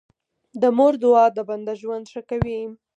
د مور دعا د بنده ژوند ښه کوي.